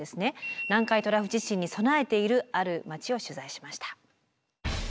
南海トラフ地震に備えているある町を取材しました。